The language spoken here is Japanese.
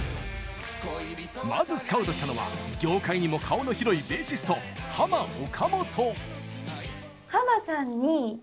まずスカウトしたのは業界にも顔の広いベーシストハマ・オカモト。